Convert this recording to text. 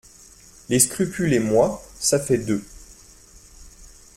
Les scrupules et moi, ça fait deux.